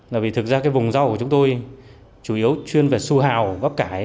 là vì thực ra cái vùng rau của chúng tôi chủ yếu chuyên về su hào gắp cải